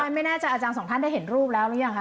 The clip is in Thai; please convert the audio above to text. ไม่แน่ใจอาจารย์สองท่านได้เห็นรูปแล้วหรือยังคะ